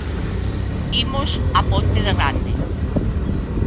Imos á ponte de Rande.